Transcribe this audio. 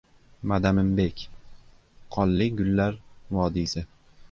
“Madaminbek. Qonli gullar vodiysi”